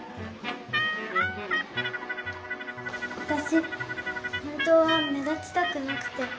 わたし本当は目立ちたくなくて。